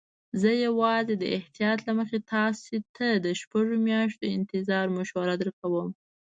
زه یوازې د احتیاط له مخې تاسي ته د شپږو میاشتو انتظار مشوره درکوم.